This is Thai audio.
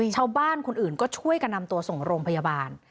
ชาวบ้านคนอื่นก็ช่วยกันนำตัวส่งโรงพยาบาล